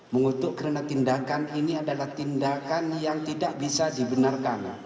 mengutuk karena tindakan ini adalah tindakan yang tidak bisa dibenarkan